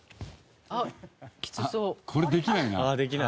これできないな。